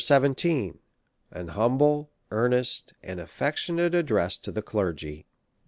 17. An humble, earnest, and affectionate Address to the Clergy.